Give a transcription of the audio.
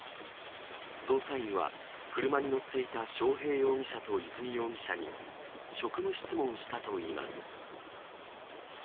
捜査員は車に乗っていた章平容疑者と和美容疑者に職務質問したといいます。